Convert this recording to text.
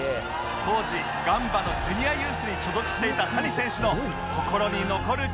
当時ガンバのジュニアユースに所属していた谷選手の心に残る快挙でした